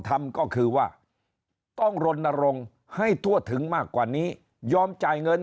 ทำก็คือว่าต้องรณรงค์ให้ทั่วถึงมากกว่านี้ยอมจ่ายเงิน